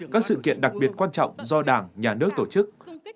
các sự kiện đặc biệt quan trọng do đảng nhà nước tổ chức